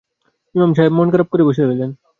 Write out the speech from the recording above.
ইমাম সাহেব মন-খারাপ করে বসে রইলেন।